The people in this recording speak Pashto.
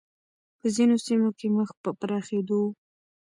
په ځینو سیمو کې مخ په پراخېدو و